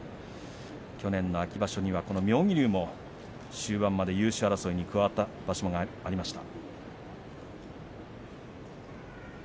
去年の秋場所にはこの妙義龍も終盤まで優勝争いに加わった場所がありました。